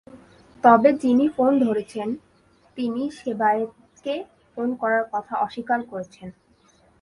তবে যিনি ফোন ধরেছেন, তিনি সেবায়েতকে ফোন করার কথা অস্বীকার করেছেন।